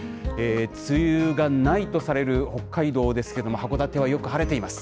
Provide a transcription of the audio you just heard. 梅雨がないとされる北海道ですけども、函館はよく晴れています。